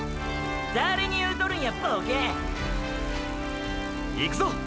⁉誰に言うとるんやボケ！！いくぞ！！